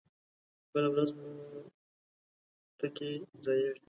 بله ورځ په مو ټه کې ځائېږي